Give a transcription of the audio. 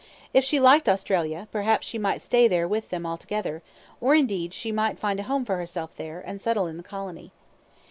If she liked Australia, perhaps she might stay there with them altogether; or, indeed, she might find a home for herself there, and settle in the colony.